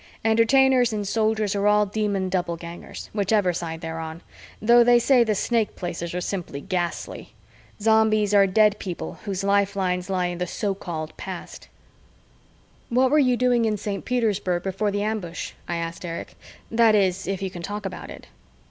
Entertainers and Soldiers are all Demon Doublegangers, whichever side they're on though they say the Snake Places are simply ghastly. Zombies are dead people whose lifelines lie in the so called past. "What were you doing in Saint Petersburg before the ambush?" I asked Erich. "That is, if you can talk about it."